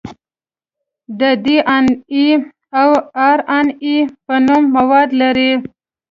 د ډي ان اې او ار ان اې په نوم مواد لري.